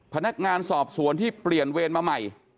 พนักงานสอบสวนที่เปลี่ยนเวรมาใหม่